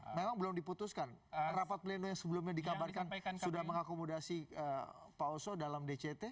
memang belum diputuskan rapat pleno yang sebelumnya dikabarkan sudah mengakomodasi pak oso dalam dct